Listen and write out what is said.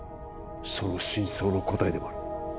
その真相の答えでもある